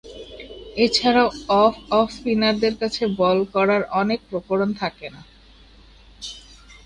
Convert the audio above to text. এছাড়াও off off স্পিনারদের কাছে বল করার অনেক প্রকরণ থাকেনা।